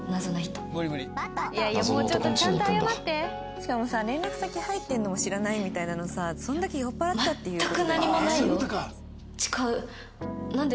しかもさ連絡先入ってるのも知らないみたいなのさそんだけ酔っ払ってたっていう事だよね。